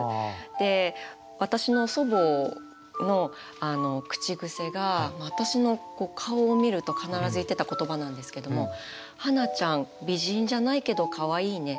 で私の祖母の口癖が私の顔を見ると必ず言ってた言葉なんですけども「はなちゃん美人じゃないけどかわいいね」。